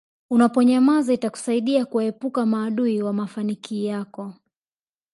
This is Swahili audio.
Unaponyamaza itakusaidia kuwaepuka maadui wa nafanikii yako